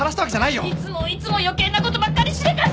いつもいつも余計なことばっかりしでかして！